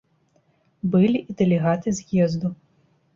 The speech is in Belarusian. Былі і дэлегаты з'езду.